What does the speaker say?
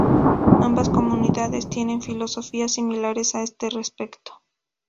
Ambas comunidades tienen filosofías similares a este respecto.